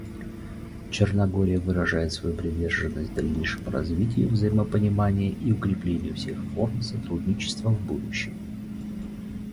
Черногория выражает свою приверженность дальнейшему развитию взаимопонимания и укреплению всех форм сотрудничества в будущем.